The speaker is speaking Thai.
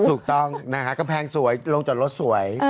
ถูกต้องนะฮะกำแพงสวยลงจอดรถสวย